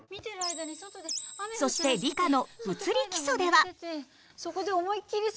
そして理科の「物理基礎」では。